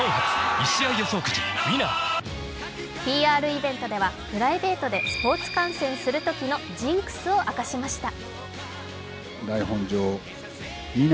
ＰＲイベントではプライベートでスポーツ観戦するときのジンクスを明かしました。